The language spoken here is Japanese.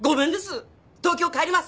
東京帰ります！